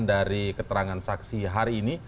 dari keterangan saksi hari ini